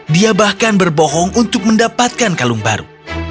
dia bahkan berbohong untuk mendapatkan kalung baru